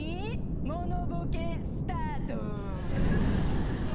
物ボケスタート。